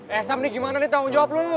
eh sam nih gimana nih tanggung jawab lo